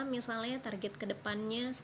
misalnya target ke depannya